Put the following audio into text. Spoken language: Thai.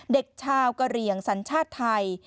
เด็กชาวกะเหลี่ยงสัญชาติไทย